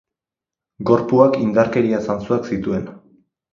Gorpuak indarkeria zantzuak zituen.